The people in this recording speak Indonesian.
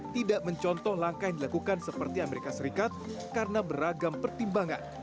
tidak mencontoh langkah yang dilakukan seperti amerika serikat karena beragam pertimbangan